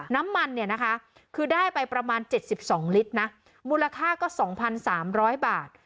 น้ำมันเนี่ยนะคะคือได้ไปประมาณ๗๒ลิตรนะมูลค่าก็๒๓๐๐บาท